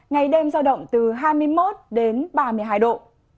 ngày đêm giao động từ hai mươi một đến ba mươi hai độ